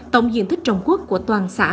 tổng diện thích trồng quốc của toàn xã